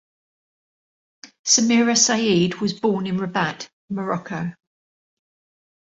Samira Said was born in Rabat, Morocco.